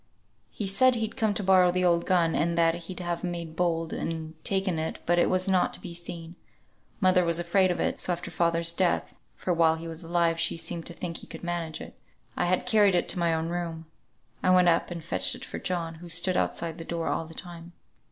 He said he'd come to borrow the old gun, and that he'd have made bold, and taken it, but it was not to be seen. Mother was afraid of it, so after father's death (for while he were alive, she seemed to think he could manage it) I had carried it to my own room. I went up and fetched it for John, who stood outside the door all the time."